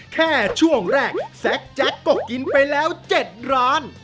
แค่ช่วงแรกแซ็กแจ็คก็กินไปแล้ว๗ร้าน